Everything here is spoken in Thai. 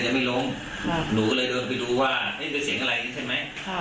นัดสองนะนัดสองเขาเดินมาจากจุดที่ยิงทักแรกใช่ไหม